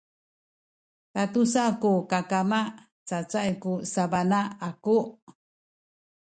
tatusa ku kakama cacay ku sabana aku